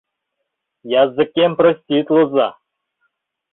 Языкем проститлыза...